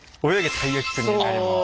たいやきくん」になります。